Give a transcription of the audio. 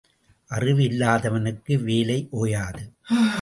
அறிவு இல்லாதவனுக்கு வேலை ஓயாது.